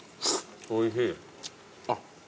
おいしい。